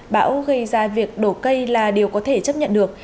bão gây ra việc đổ cây là điều có thể chấp nhận được